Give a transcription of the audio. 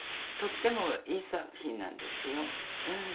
とってもいい作品なんですよ。